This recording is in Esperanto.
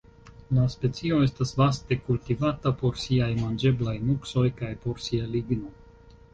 La specio estas vaste kultivata por siaj manĝeblaj nuksoj kaj por sia ligno.